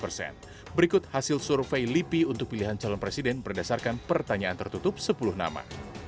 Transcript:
perangkap jokowi juga mencari survei lipi untuk pilihan calon presiden berdasarkan pertanyaan tertutup sepuluh nama